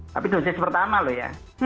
tapi dosis pertama loh ya